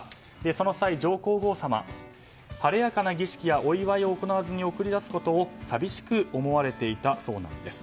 その際、上皇后さまは晴れやかな儀式やお祝いを行わずに送り出すことを寂しく思われていたそうなんです。